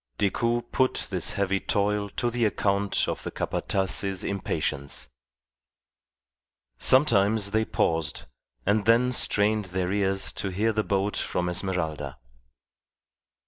Decoud put this heavy toil to the account of the Capataz's impatience. Sometimes they paused, and then strained their ears to hear the boat from Esmeralda.